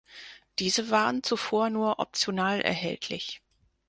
Diese waren zuvor nur optional erhältlich.